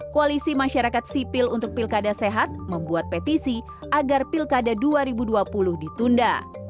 koalisi masyarakat sipil untuk pilkada sehat membuat petisi agar pilkada dua ribu dua puluh ditunda